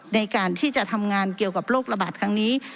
ในการที่จะทำงานเกี่ยวกับโรคระบาดครั้งนี้